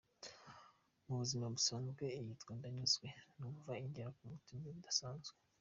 Mu buzima busanzwe iyitwa ‘Ndanyuzwe’ numva ingera ku mutima bidasanzwe.